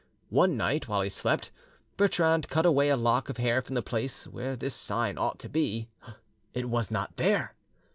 One night, while he slept, Bertrande cut away a lock of hair from the place where this sign ought to be—it was not there!